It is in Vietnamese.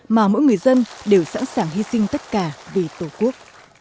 mà mỗi người dân đều sẵn sàng hy sinh tất cả vì tổ quốc